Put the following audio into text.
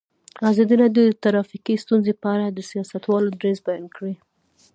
ازادي راډیو د ټرافیکي ستونزې په اړه د سیاستوالو دریځ بیان کړی.